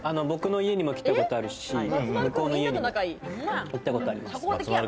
僕の家にも来たことあるし、向こうの家にも行ったことあります。